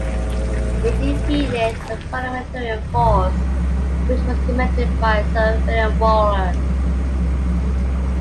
It defeated the Parliamentarian force, which was commanded by Sir William Waller.